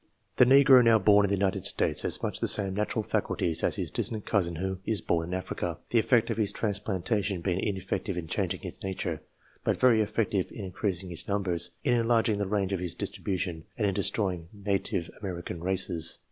The Negro now bom in the United States has much the same natural faculties as his distant cousin who is born in Africa ; the effect of his transplanta tion being ineffective in changing his nature, but very effective in increasing his numbers, in enlarging the range of his distribution, and in destroying native American races.